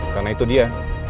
karena itu dia